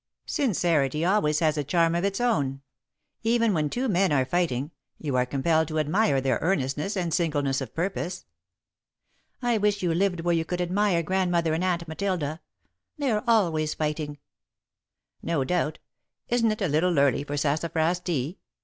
"Sincerity always has a charm of its own. Even when two men are fighting, you are compelled to admire their earnestness and singleness of purpose." "I wish you lived where you could admire Grandmother and Aunt Matilda. They're always fighting." "No doubt. Isn't it a little early for sassafras tea?"